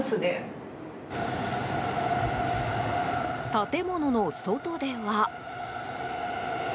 建物の外では。